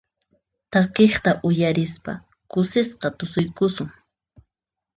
Takiqta uyarispa kusisqa tusuyukusun.